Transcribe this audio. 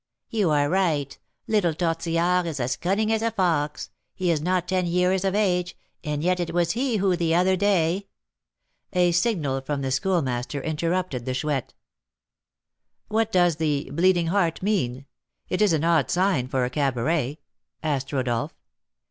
"You are right, little Tortillard is as cunning as a fox; he is not ten years of age, and yet it was he who the other day " A signal from the Schoolmaster interrupted the Chouette. "What does the 'Bleeding Heart' mean? It is an odd sign for a cabaret," asked Rodolph.